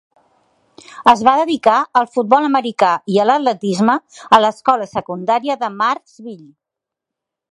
Es va dedicar al futbol americà i a l'atletisme a l'escola secundària de Marksville.